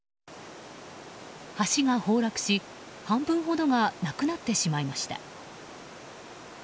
橋が崩落し、半分ほどがなくなってしまいました。